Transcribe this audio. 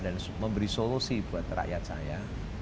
dan memberi solusi buat rakyat saya